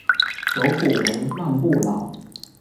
首府为曼布劳。